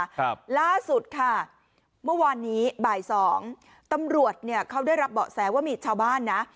ครับล่าสุดค่ะเมื่อวานนี้บ่ายสองตำรวจเนี้ยเขาได้รับเบาะแสว่ามีชาวบ้านนะ